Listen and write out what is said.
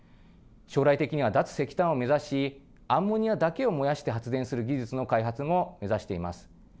将来的には、脱石炭を目指しアンモニアだけを燃やして発電する技術の開発も目指しています。